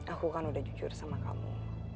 aku kan udah jujur sama kamu